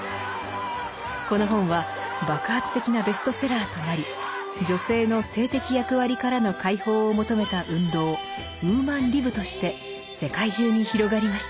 この本は爆発的なベストセラーとなり女性の性的役割からの解放を求めた運動ウーマンリブとして世界中に広がりました。